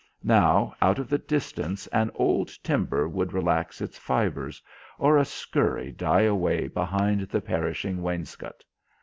Now out of the distance an old timber would relax its fibers, or a scurry die away behind the perishing wainscot.